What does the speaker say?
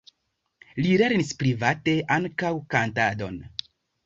Li lernis private ankaŭ kantadon.